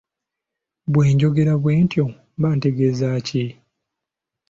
Bwe njogera bwentyo mba ntegeeza ki?